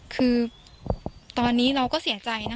คือตอนนี้เราก็เสียใจนะ